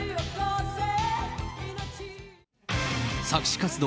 作詞活動